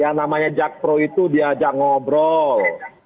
yang namanya jakpro itu diajak ngobrol